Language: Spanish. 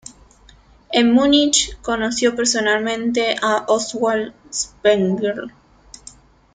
En Münich conoció personalmente a Oswald Spengler.